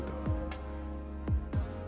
tak heran terjadi urbanisasi sejak saat itu